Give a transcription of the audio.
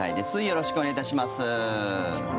よろしくお願いします。